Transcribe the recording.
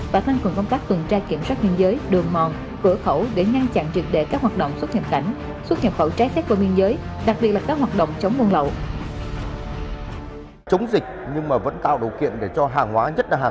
và tăng cường phòng chống sars cov hai trên tuyến biến phức tạp